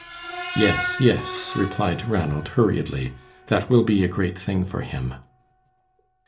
"Yes, yes," replied Ranald, hurriedly; "that will be a great thing for him."